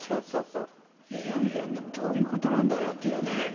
いやいや、どういうことなんだろうっていうね。